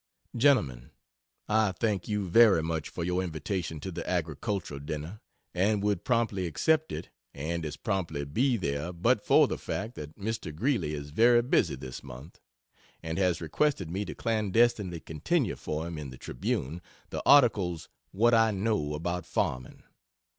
GENTLEMEN, I thank you very much for your invitation to the Agricultural dinner, and would promptly accept it and as promptly be there but for the fact that Mr. Greeley is very busy this month and has requested me to clandestinely continue for him in The Tribune the articles "What I Know about Farming."